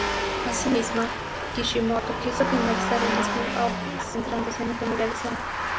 Asimismo, Kishimoto quiso finalizar el spin-off centrándose en la familia de Sarada.